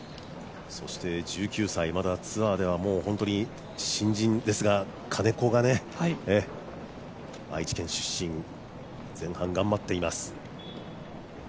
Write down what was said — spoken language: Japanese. １９歳、ツアーでは本当に新人ですが金子がね、愛知県出身、前半頑張っています。